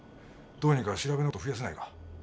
どうにか調べをもっと増やせないか？